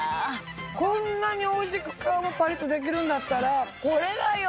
こんなにおいしく皮がパリっとできるんだったらこれだよ！